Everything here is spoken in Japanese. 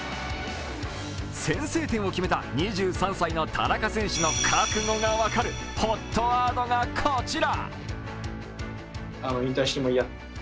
先制点を決めた２３歳の田中選手の覚悟が分かるＨＯＴワードが、こちら！